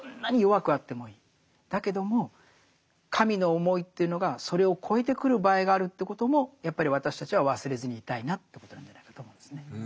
だけども神の思いというのがそれを超えてくる場合があるということもやっぱり私たちは忘れずにいたいなということなんじゃないかと思うんですね。